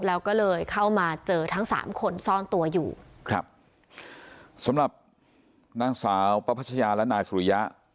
แล้วก็เลยเข้ามาเจอทั้งสามคนซ่อนตัวอยู่ครับสำหรับนางสาวประพัชยาและนายสุริยะ